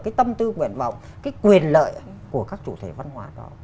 cái tâm tư nguyện vọng cái quyền lợi của các chủ thể văn hóa đó